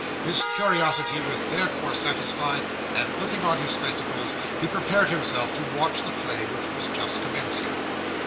His curiosity was therefore satisfied, and putting on his spectacles he prepared himself to watch the play which was just commencing.